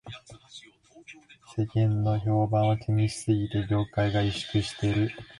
世間の評判を気にしすぎで業界が萎縮している